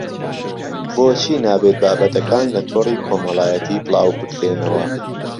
بۆچی نابێت بابەتەکان لە تۆڕی کۆمەڵایەتی بڵاوبکرێنەوە